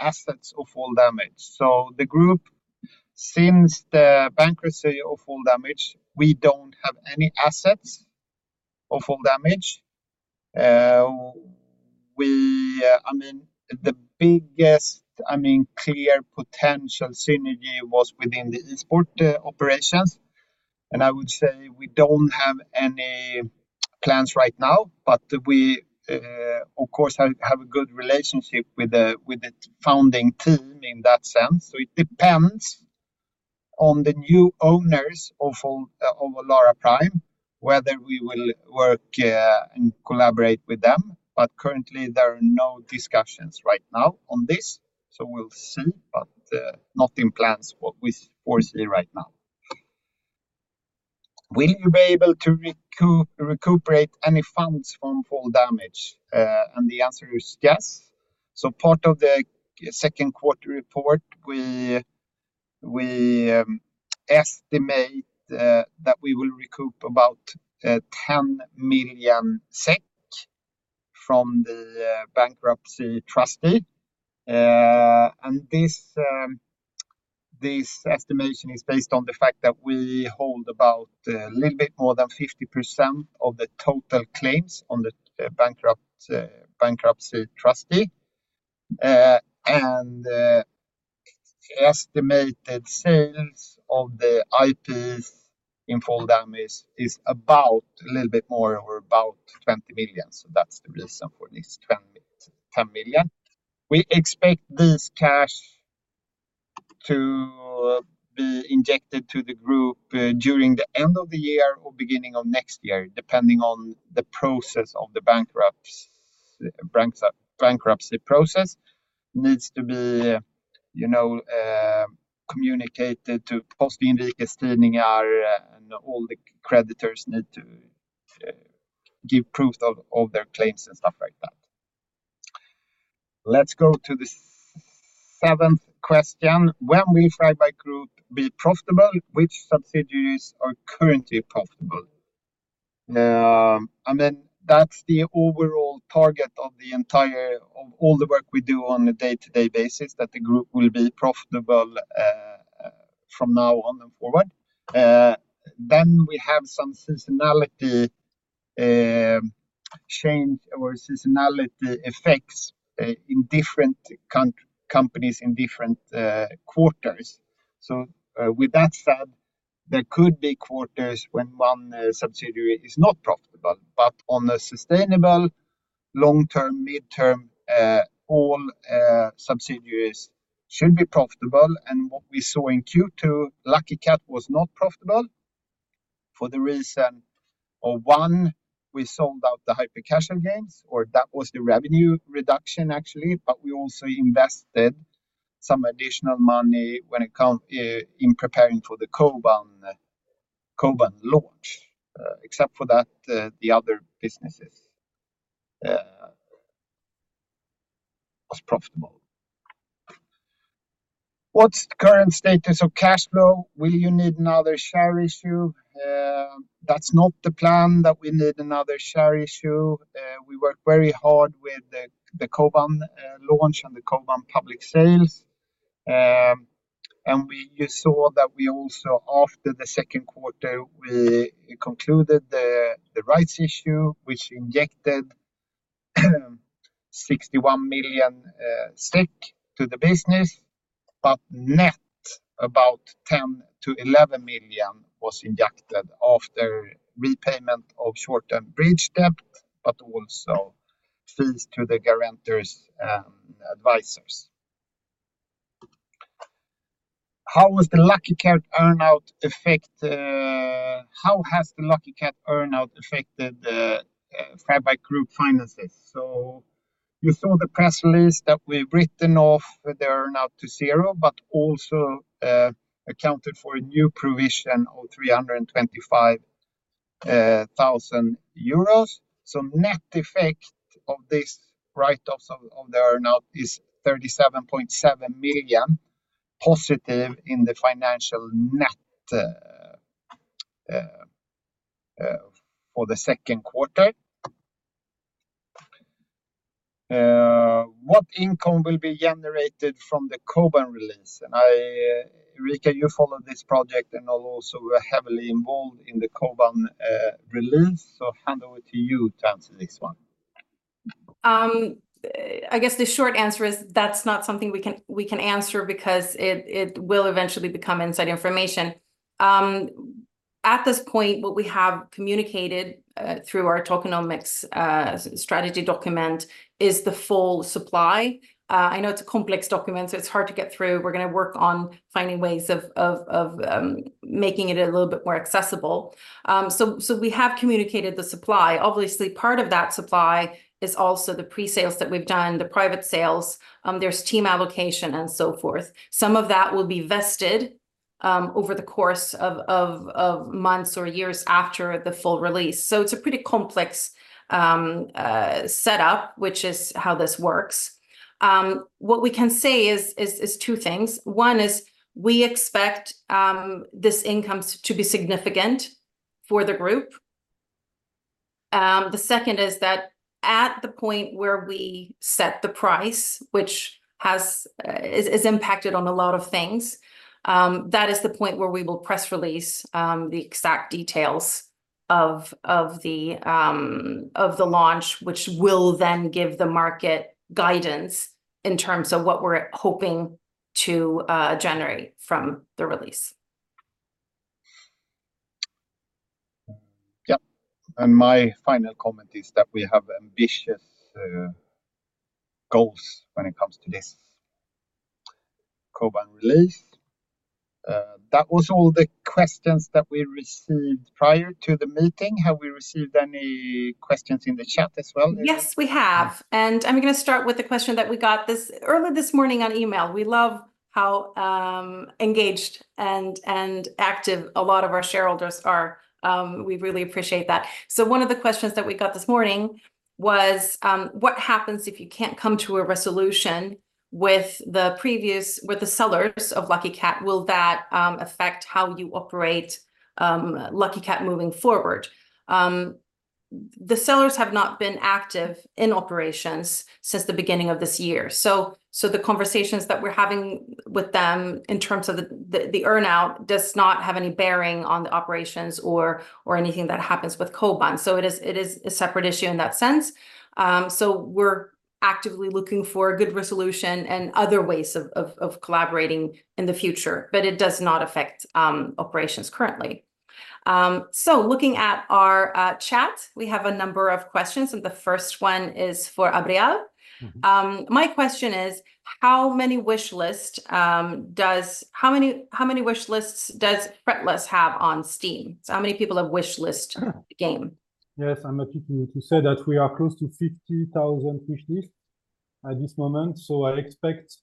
assets of Fall Damage? The group, since the bankruptcy of Fall Damage, we don't have any assets of Fall Damage. We, I mean, the biggest, I mean, clear potential synergy was within the esports operations, and I would say we don't have any plans right now. But we, of course, have a good relationship with the founding team in that sense. It depends on the new owners of ALARA Prime, whether we will work and collaborate with them. But currently, there are no discussions right now on this, so we'll see. But no plans what we foresee right now. Will you be able to recuperate any funds from Fall Damage? And the answer is yes. So part of the second quarter report, we estimate that we will recoup about 10 million SEK from the bankruptcy trustee. And this estimation is based on the fact that we hold about a little bit more than 50% of the total claims on the bankruptcy trustee. And estimated sales of the IP in Fall Damage is about a little bit more or about 20 million SEK. So that's the reason for this 10 million SEK. We expect this cash to be injected to the group during the end of the year or beginning of next year, depending on the process of the bankruptcy process needs to be, you know, communicated to Post- och Inrikes Tidningar, and all the creditors need to give proof of their claims and stuff like that. Let's go to the seventh question. When will Fragbite Group be profitable? Which subsidiaries are currently profitable? I mean, that's the overall target of all the work we do on a day-to-day basis, that the group will be profitable from now on and forward, then we have some seasonality change or seasonality effects in different companies in different quarters. With that said, there could be quarters when one subsidiary is not profitable, but on a sustainable long term, midterm, all subsidiaries should be profitable. What we saw in Q2, Lucky Kat was not profitable for the reason, or one, we sold out the hyper-casual games, or that was the revenue reduction, actually, but we also invested some additional money when it come in preparing for the Koban, Koban launch. Except for that, the other businesses was profitable. What's the current status of cash flow? Will you need another share issue? That's not the plan, that we need another share issue. We work very hard with the Koban launch and the Koban public sales. You saw that we also, after the second quarter, we concluded the rights issue, which injected 61 million to the business, but net about 10-11 million was injected after repayment of short-term bridge debt, but also fees to the guarantors and advisors. How was the Lucky Kat earn-out affect, how has the Lucky Kat earn-out affected the Fragbite Group finances? So you saw the press release that we've written off the earn-out to zero, but also accounted for a new provision of 325 thousand euros. So net effect of this write-offs of the earn-out is 37.7 million positive in the financial net for the second quarter. What income will be generated from the Koban release? And I... Erika, you follow this project and are also heavily involved in the Koban release, so I'll hand over to you to answer this one. I guess the short answer is, that's not something we can answer, because it will eventually become inside information. At this point, what we have communicated through our tokenomics strategy document is the full supply. I know it's a complex document, so it's hard to get through. We're gonna work on finding ways of making it a little bit more accessible. So we have communicated the supply. Obviously, part of that supply is also the pre-sales that we've done, the private sales, there's team allocation, and so forth. Some of that will be vested over the course of months or years after the full release. So it's a pretty complex setup, which is how this works. What we can say is two things. One is we expect this income to be significant for the group. The second is that at the point where we set the price, which is impacted on a lot of things, that is the point where we will press release the exact details of the launch, which will then give the market guidance in terms of what we're hoping to generate from the release. Yeah, and my final comment is that we have ambitious goals when it comes to this Koban release. That was all the questions that we received prior to the meeting. Have we received any questions in the chat as well? Yes, we have, and I'm gonna start with a question that we got earlier this morning on email. We love how engaged and active a lot of our shareholders are. We really appreciate that. So one of the questions that we got this morning was: "What happens if you can't come to a resolution with the sellers of Lucky Kat? Will that affect how you operate Lucky Kat moving forward?" The sellers have not been active in operations since the beginning of this year, so the conversations that we're having with them in terms of the earn-out does not have any bearing on the operations or anything that happens with Koban. So it is a separate issue in that sense. We're actively looking for a good resolution and other ways of collaborating in the future, but it does not affect operations currently. Looking at our chat, we have a number of questions, and the first one is for Abrial. Mm-hmm. My question is, how many wishlists does Fretless have on Steam?" So how many people have wishlisted the game? Yes, I'm happy to say that we are close to 50,000 wishlists at this moment, so I expect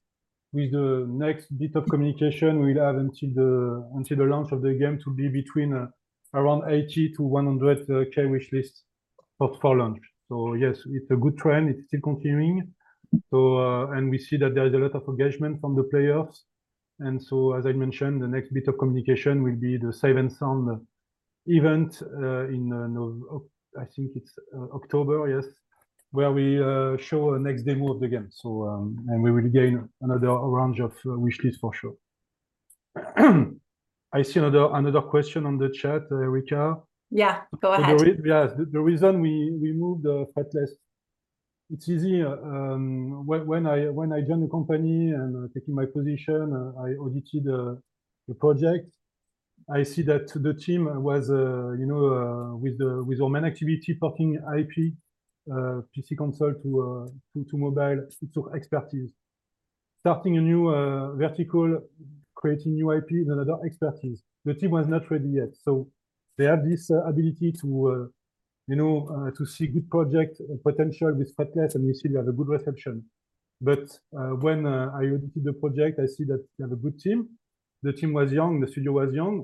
with the next bit of communication, we'll have until the launch of the game to be between around 80 to 100K wishlists for launch. So yes, it's a good trend. It's still continuing. So, and we see that there is a lot of engagement from the players, and so as I mentioned, the next bit of communication will be the Save & Sound event in October, yes, where we show a next demo of the game. So, and we will gain another round of wishlists for sure. I see another question on the chat, Erika. Yeah, go ahead. So the reason we moved Fretless, it's easy. When I joined the company and taking my position, I audited the project. I see that the team was, you know, with their main activity, porting IP, PC console to mobile. It's our expertise. Starting a new vertical, creating new IP is another expertise. The team was not ready yet, so they have this ability to, you know, to see good project potential with Fretless, and we see we have a good reception. But when I audited the project, I see that they have a good team. The team was young, the studio was young.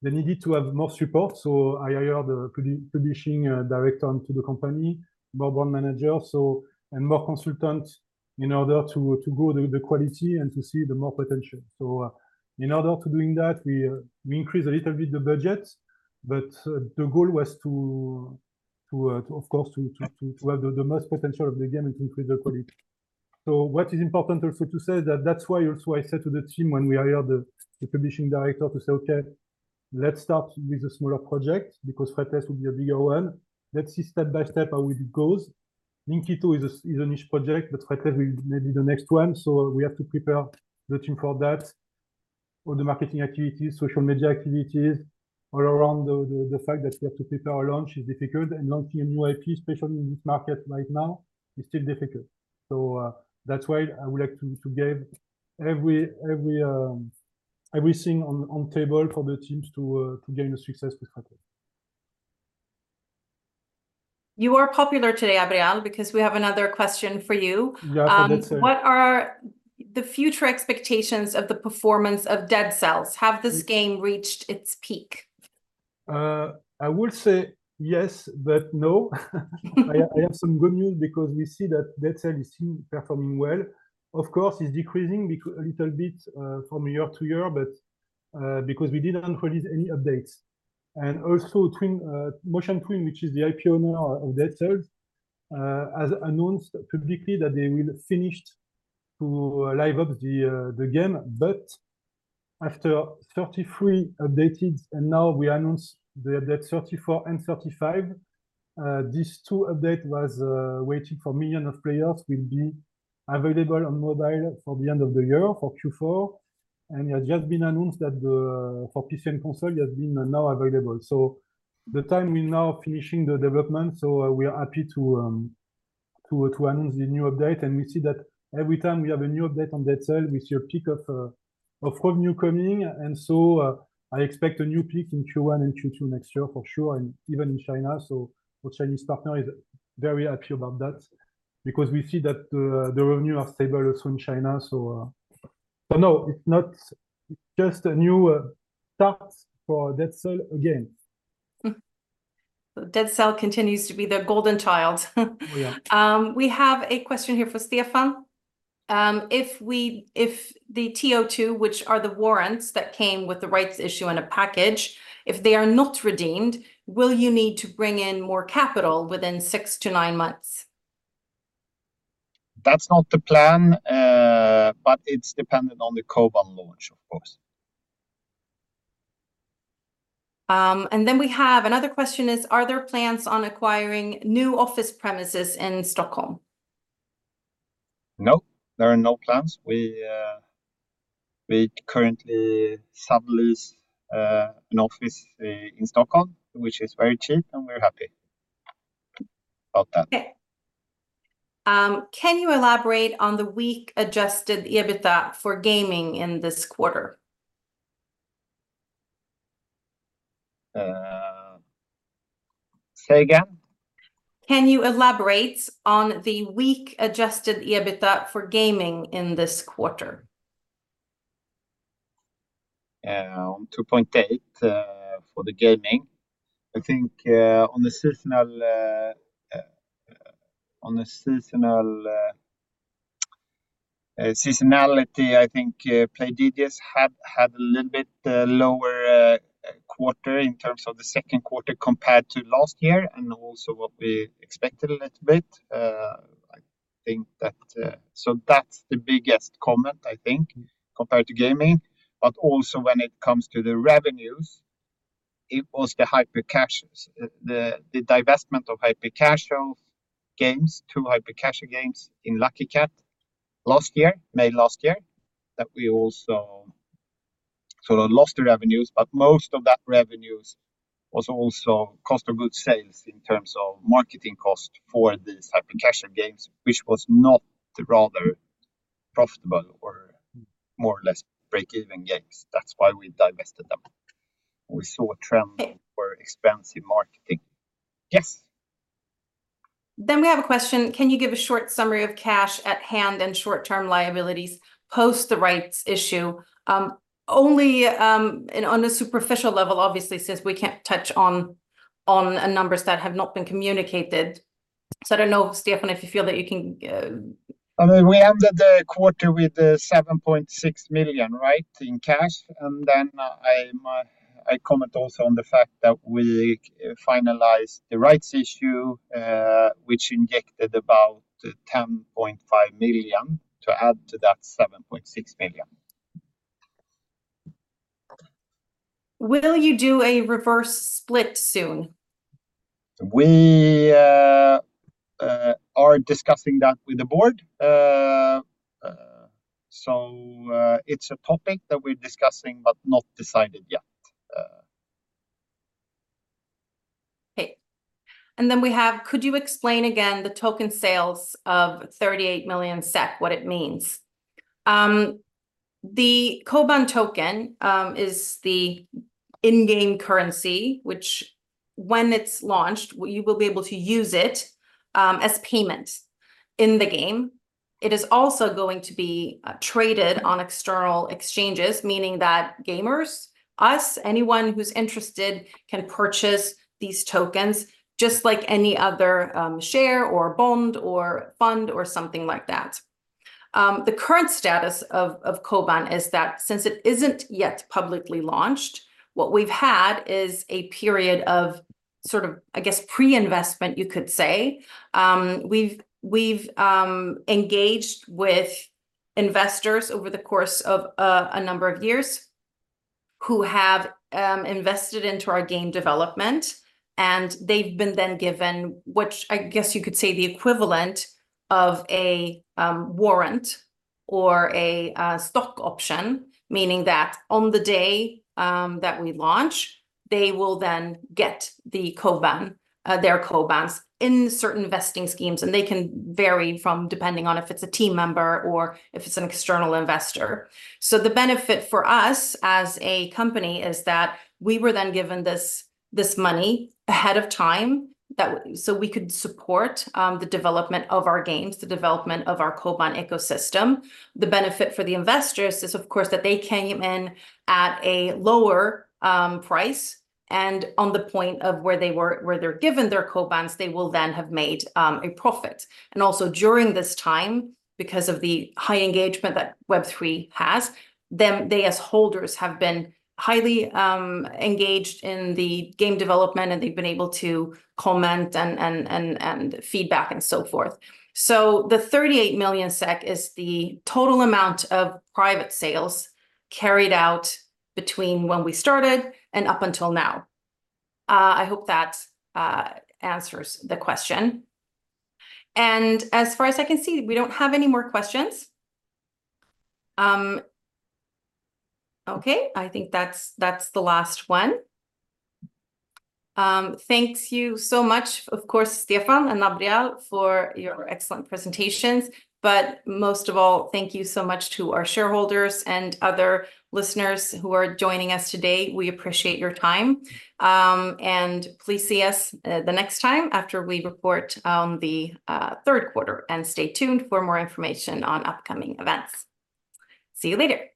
They needed to have more support, so I hired a publishing director into the company, mobile manager, and more consultants in order to grow the quality and to see the more potential. In order to doing that, we increased a little bit the budget, but the goal was to of course to have the most potential of the game and to increase the quality. What is important also to say that that's why also I said to the team when we hired the publishing director to say, "Okay, let's start with a smaller project, because Fretless will be a bigger one. Let's see step by step how it goes." Evoland 2 is a niche project, but Fretless will be maybe the next one, so we have to prepare the team for that. All the marketing activities, social media activities, all around the fact that we have to prepare our launch is difficult, and launching a new IP, especially in this market right now, is still difficult. So, that's why I would like to give everything on table for the teams to gain the success with Fretless. You are popular today, Abrial, because we have another question for you. Yeah, let's say. What are the future expectations of the performance of Dead Cells? Have this game reached its peak? I would say yes, but no. I have some good news, because we see that Dead Cells is still performing well. Of course, it's decreasing because a little bit from year to year, but because we didn't release any updates, and also Motion Twin, which is the IP owner of Dead Cells, has announced publicly that they will finished to live Ops the game. But after 33 updates, and now we announce the Update 34 and 35. These two update was waiting for million of players, will be available on mobile for the end of the year, for Q4. And it has just been announced that the for PC and console, it has been now available. So the time we now finishing the development, so we are happy to announce the new update. We see that every time we have a new update on Dead Cells, we see a peak of revenue coming, and so I expect a new peak in Q1 and Q2 next year for sure, and even in China. Our Chinese partner is very happy about that because we see that the revenue are stable also in China, so no, it's not just a new start for Dead Cells again. Hmm. Dead Cells continues to be the golden child. Yeah. We have a question here for Stefan. If the TO2, which are the warrants that came with the rights issue in a package, if they are not redeemed, will you need to bring in more capital within six to nine months? That's not the plan, but it's dependent on the Koban launch, of course. And then we have another question is, are there plans on acquiring new office premises in Stockholm? No, there are no plans. We currently sublease an office in Stockholm, which is very cheap, and we're happy about that. Okay. Can you elaborate on the weak adjusted EBITDA for gaming in this quarter? Say again? Can you elaborate on the weak adjusted EBITDA for gaming in this quarter? Yeah, on 2.8, for the gaming, I think, on the seasonality, I think, Playdigious had a little bit lower quarter in terms of the second quarter compared to last year, and also what we expected a little bit. I think that... So that's the biggest comment, I think, compared to gaming. But also, when it comes to the revenues, it was the hyper casuals, the divestment of hyper casual games, two hyper casual games in Lucky Kat last year, May last year, that we also sort of lost the revenues. But most of that revenues was also cost of goods sales in terms of marketing cost for these hyper casual games, which was not rather profitable or more or less break-even games. That's why we divested them. We saw a trend for expensive marketing. Yes. Then we have a question: Can you give a short summary of cash at hand and short-term liabilities, post the rights issue? Only and on a superficial level, obviously, since we can't touch on numbers that have not been communicated. So I don't know, Stefan, if you feel that you can. I mean, we ended the quarter with 7.6 million, right, in cash. And then I comment also on the fact that we finalized the rights issue, which injected about 10.5 million to add to that 7.6 million. Will you do a reverse split soon? We are discussing that with the board, so it's a topic that we're discussing, but not decided yet. Okay. And then we have: Could you explain again the token sales of 38 million SEK, what it means? The Koban token is the in-game currency, which when it's launched, you will be able to use it as payment in the game. It is also going to be traded on external exchanges, meaning that gamers, us, anyone who's interested, can purchase these tokens just like any other share or bond or fund or something like that. The current status of Koban is that since it isn't yet publicly launched, what we've had is a period of sort of, I guess, pre-investment, you could say. We've engaged with investors over the course of a number of years, who have invested into our game development, and they've been then given, which I guess you could say the equivalent of a warrant or a stock option, meaning that on the day that we launch, they will then get the Koban, their Kobans in certain investing schemes, and they can vary from depending on if it's a team member or if it's an external investor. So the benefit for us as a company is that we were then given this money ahead of time, so we could support the development of our games, the development of our Koban ecosystem. The benefit for the investors is, of course, that they came in at a lower price, and on the point of where they're given their Kobans, they will then have made a profit. And also during this time, because of the high engagement that Web3 has, they as holders have been highly engaged in the game development, and they've been able to comment and feedback and so forth. So the 38 million SEK is the total amount of private sales carried out between when we started and up until now. I hope that answers the question. And as far as I can see, we don't have any more questions. Okay, I think that's the last one. Thank you so much, of course, Stefan and Gabriel, for your excellent presentations. But most of all, thank you so much to our shareholders and other listeners who are joining us today. We appreciate your time. And please see us the next time after we report the third quarter. And stay tuned for more information on upcoming events. See you later!